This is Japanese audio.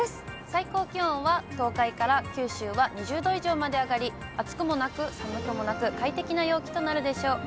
最高気温は東海から九州は２０度以上まで上がり、暑くもなく、寒くもなく、快適な陽気となるでしょう。